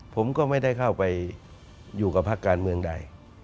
ผมก็ไม่ได้เข้าไปอยู่กับพักการเมืองใด